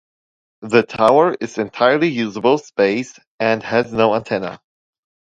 The tower is entirely usable space and has no antenna.